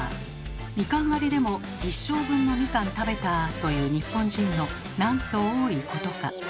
みかん狩りでも「一生分のみかん食べた」と言う日本人のなんと多いことか。